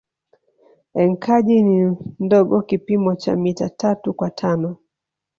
Enkaji ni ndogo kipimo cha mita tatu kwa tano